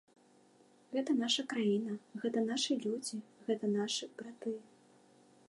Гэта наша краіна, гэта нашы людзі, гэта нашы браты.